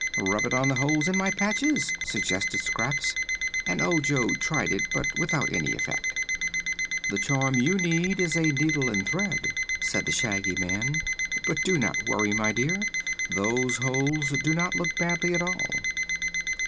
"Rub it on the holes in my patches," suggested Scraps, and Ojo tried it, but without any effect. "The charm you need is a needle and thread," said the Shaggy Man. "But do not worry, my dear; those holes do not look badly, at all."